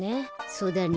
そうだね。